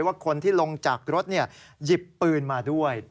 ว่าคนที่ลงจากรถหยิบปืนมาด้วย